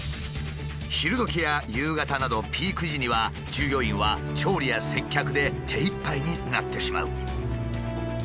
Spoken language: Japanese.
昼時や夕方などピーク時には従業員は調理や接客で手いっぱいになってしまう。